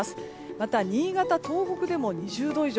また新潟、東北でも２０度以上。